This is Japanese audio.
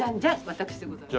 私でございます。